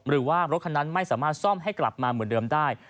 หรือว่ารถคันนั้นไม่สามารถซ่อมให้กลับมาเหมือนเดิมได้